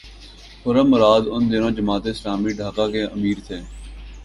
خرم مراد ان دنوں جماعت اسلامی ڈھاکہ کے امیر تھے۔